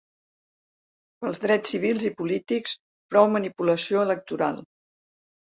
Pels drets civils i polítics: prou manipulació electoral!